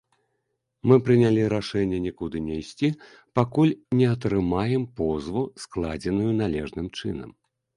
Мы прынялі рашэнне нікуды не ісці, пакуль не атрымаем позву, складзеную належным чынам.